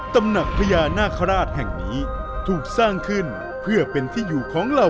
ตำหนักพญานาคาราชแห่งนี้ถูกสร้างขึ้นเพื่อเป็นที่อยู่ของเหล่า